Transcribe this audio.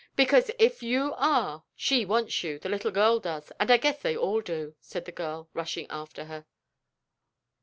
"Because if you are, she wants you, the little girl does. And I guess they all do," said the girl, rushing after.